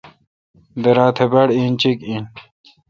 درا تہ باڑ اینچیک این۔